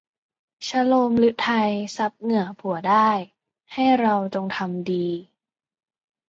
ชะโลมฤทัย ซับเหงื่อผัวได้ ให้เราจงทำดี